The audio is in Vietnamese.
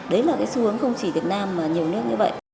đấy là cái xu hướng không chỉ việt nam mà nhiều nước như vậy